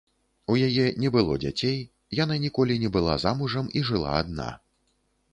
У яе не было дзяцей, яна ніколі не была замужам і жыла адна.